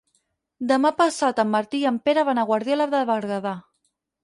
Demà passat en Martí i en Pere van a Guardiola de Berguedà.